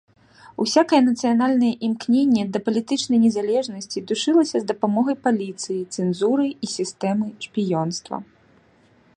Усякае нацыянальнае імкненне да палітычнай незалежнасці душылася з дапамогай паліцыі, цэнзуры і сістэмы шпіёнства.